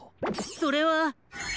それは。